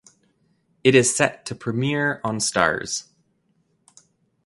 It is set to premiere on Starz.